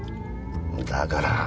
だから！